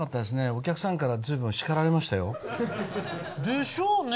お客さんから随分叱られましたよ。でしょうね。